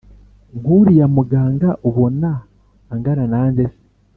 nk'uriya muganga ubona angana na nde se